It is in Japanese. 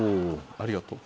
ありがとう。